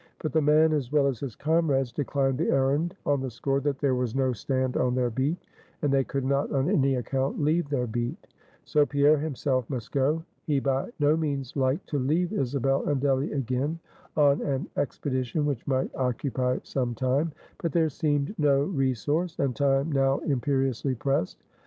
But the man, as well as his comrades, declined the errand on the score, that there was no stand on their beat, and they could not, on any account, leave their beat. So Pierre himself must go. He by no means liked to leave Isabel and Delly again, on an expedition which might occupy some time. But there seemed no resource, and time now imperiously pressed.